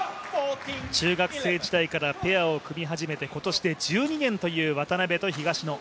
中学生時代からペアを組み始めて今年で１２年という渡辺と東野。